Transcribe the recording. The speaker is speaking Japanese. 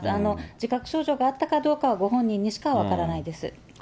自覚症状があったかどうかは、ご本人にしか分からないです。